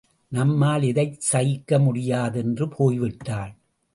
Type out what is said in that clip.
நம்மால் இதைச் சகிக்க முடியாது என்று போய்விட்டாள்.